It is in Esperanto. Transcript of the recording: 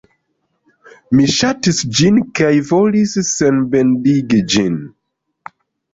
Mi ŝatis ĝin kaj volis sonbendigi ĝin.